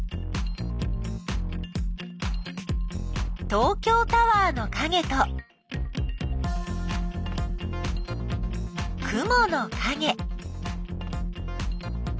東京タワーのかげと雲のかげ。